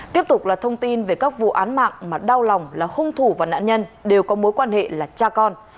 tiếp tục là thông tin về các vụ án mạng mà đau lòng là hung thủ và nạn nhân đều có mối quan hệ là cha con